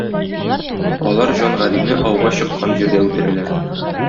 Алар Җан Галине ауга чыккан җирдә үтерәләр.